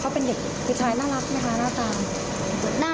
เขาเป็นเด็กผู้ชายน่ารักไหมคะหน้าตา